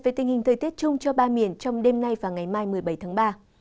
về tình hình thời tiết chung cho ba miền trong đêm nay và ngày mai một mươi bảy tháng ba